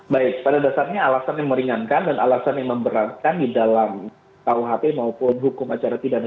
baik pada dasarnya alasan yang meringankan dan alasan yang memberatkan di dalam kuhp maupun hukum acara pidana